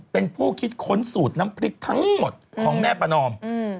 เป็นผู้คิดค้นสูตรน้ำพริกทั้งหมดของแม่ประนอม